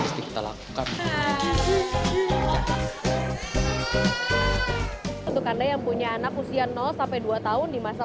mesti kita lakukan untuk anda yang punya anak usia dua tahun di masa